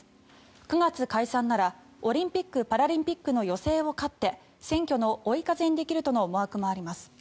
９月解散ならオリンピック・パラリンピックの余勢を駆って選挙の追い風にできるとの思惑もあります。